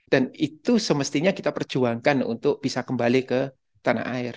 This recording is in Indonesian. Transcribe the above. dan itu semestinya kita perjuangkan untuk bisa kembali ke tanah air